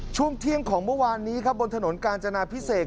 ช่วงเที่ยงของเมื่อวานนี้ครับบนถนนกาญจนาพิเศษ